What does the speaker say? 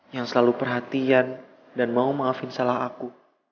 yang selalu perhatian dan mau maafin salah aku